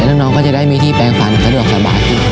น้องก็จะได้มีที่แปลงฟันสะดวกสบายขึ้น